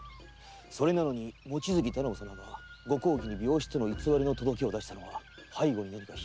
それなのに望月頼母様がご公儀に「病死」との偽りの届けを出したのは背後に何か秘密が？